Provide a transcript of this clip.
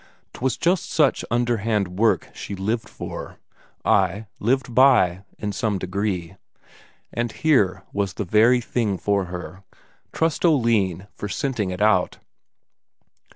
'Twas just such underhand work she lived for; ay, lived by, in some degree. And here was the very thing for her trust Oline for scenting it out!